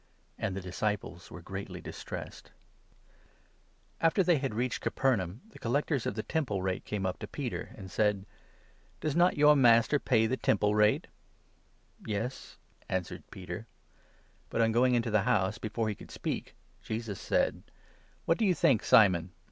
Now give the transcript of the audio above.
And the disciples were greatly distressed. A Question After they had reached Capernaum, the collec 24 about the tors of the Temple rate came up to Peter, and Temple rate. said :" Does not your Master pay the Temple rate ?" "Yes," answered Peter. 25 But, on going into the house, before he could speak, Jesus said : "What do you think, Simon?